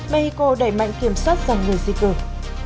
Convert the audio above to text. mexico đẩy mạnh kiểm soát dòng người di cược